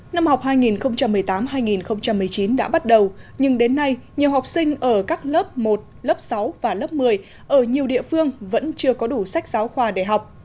năm học hai nghìn một mươi tám hai nghìn một mươi chín đã bắt đầu nhưng đến nay nhiều học sinh ở các lớp một lớp sáu và lớp một mươi ở nhiều địa phương vẫn chưa có đủ sách giáo khoa để học